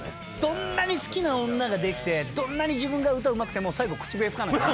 どんなに好きな女ができてどんなに自分が歌うまくても最後口笛は吹かない。